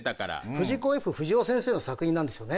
藤子・Ｆ・不二雄先生の作品ですね。